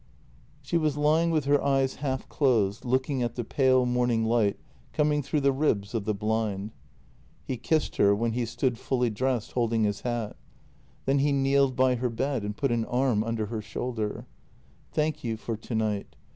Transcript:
She was lying with her eyes half closed, looking at the pale morning light coming through the ribs of the blind. He kissed her when he stood fully dressed, holding his hat; then he kneeled by her bed and put an arm under her shoulder: " Thank you for tonight.